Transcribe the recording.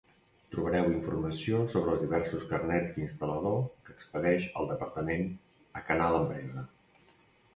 Trobareu informació sobre els diversos carnets d'instal·lador que expedeix el Departament a Canal Empresa.